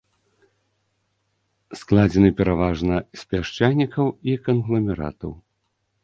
Складзены пераважна з пясчанікаў і кангламератаў.